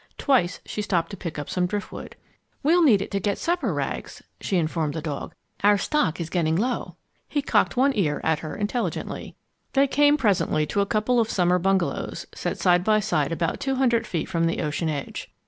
Twice she stopped to pick up some driftwood. "We'll need it to get supper, Rags," she informed the dog. "Our stock is getting low." He cocked one ear at her intelligently. They came presently to a couple of summer bungalows set side by side about two hundred feet from the ocean edge.